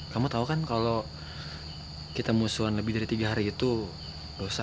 kamu tau kan kalau kita musuhan lebih dari tiga hari itu dosa